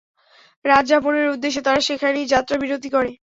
রাত যাপনের উদ্দেশে তারা সেখানেই যাত্রা বিরতি করে।